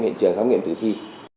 hiện trường khám nghiệm tử thi